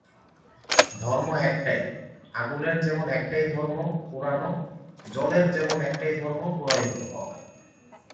ধর্ম একটাই, আগুনের যেমন একটাই ধর্ম, পোড়ানো, জলের যেমন একটাই ধর্ম, প্রবাহিত হওয়া।